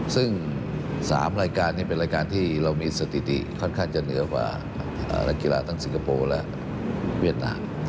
ซึ่ง๓รายการนี้เป็นรายการที่เรามีสถิติค่อนข้างจะเหนือกว่านักกีฬาทั้งสิงคโปร์และเวียดนาม